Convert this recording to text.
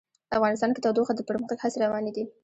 افغانستان کې د تودوخه د پرمختګ هڅې روانې دي.